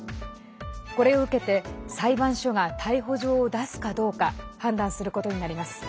これを受けて裁判所が逮捕状を出すかどうか判断することになります。